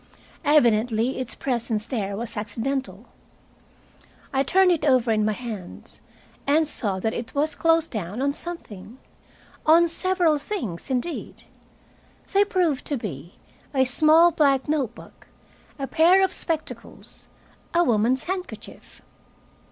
Evidently its presence there was accidental. I turned it over in my hands, and saw that it was closed down on something, on several things, indeed. They proved to be a small black note book, a pair of spectacles, a woman's handkerchief.